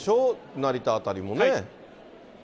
成田辺りもね。